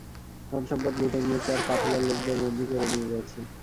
ধনসম্পদ লুটে নিয়েছে আর কাফেলার লোকদের বন্দী করে নিয়ে গেছে।